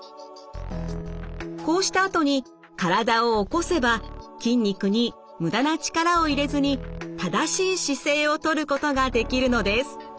こうしたあとに体を起こせば筋肉に無駄な力を入れずに正しい姿勢をとることができるのです。